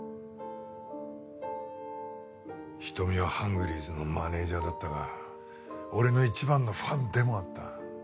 仁美はハングリーズのマネジャーだったが俺の一番のファンでもあった。